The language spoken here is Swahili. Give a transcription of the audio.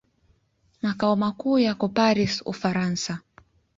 Makao makuu yako Paris, Ufaransa.